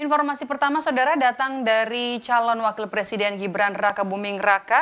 informasi pertama saudara datang dari calon wakil presiden gibran raka buming raka